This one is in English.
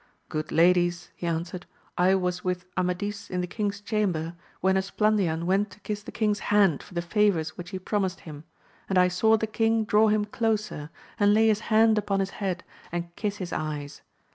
Good ladies, he answered, I was with Amadis in the king's chamber, when Esplandian went to kiss the king's hand for the favours which he promised him ; and I saw the king draw him closer, and lay his hand upon his head and kiss his eyes.